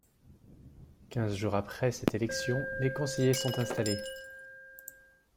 Quinze jours après cette élection, les conseillers sont installés.